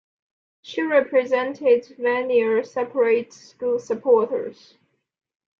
She represented Vanier separate school supporters.